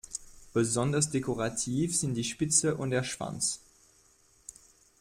Besonders dekorativ sind die Spitze und der Schwanz.